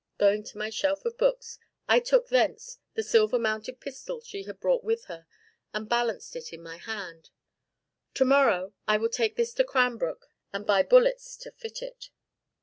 Going to my shelf of books I took thence the silver mounted pistol she had brought with her, and balanced it in my hand. "To morrow I will take this to Cranbrook, and buy bullets to fit it."